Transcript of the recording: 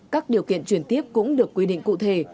các điều kiện chuyển tiếp cũng được quy định cụ thể